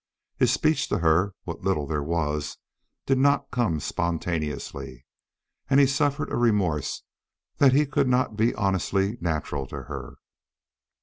His speech to her what little there was did not come spontaneously. And he suffered a remorse that he could not be honestly natural to her.